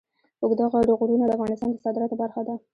اوږده غرونه د افغانستان د صادراتو برخه ده.